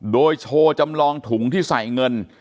โดยโชว์จำลองถุงที่ใส่เงิน